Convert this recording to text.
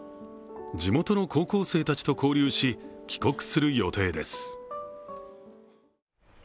地元の高校生たちと交流し、帰国する予定です。